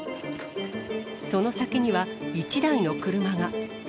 その先には１台の車が。